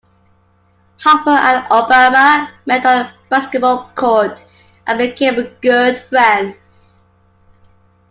Harper and Obama met on the basketball court and became good friends.